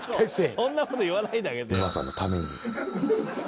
そんな事言わないであげて。